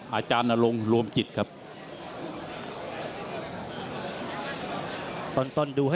มาจากเอฟรีกรุ๊ปมีเข่าทั้งนั้นเลยครับ